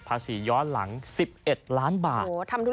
ย้อนหลัง๑๑ล้านบาท